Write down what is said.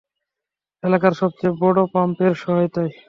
এলাকার সবচেয়ে বড়ো পাম্পের সহায়তায়।